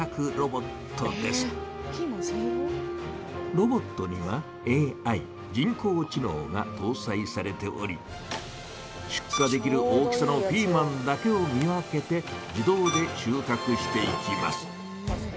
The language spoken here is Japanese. ロボットには「ＡＩ」「人工知のう」がとうさいされておりしゅっかできる大きさのピーマンだけを見分けて自動で収穫していきます。